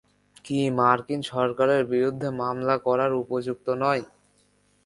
কি মার্কিন সরকারের বিরুদ্ধে মামলা করার উপযুক্ত নয়?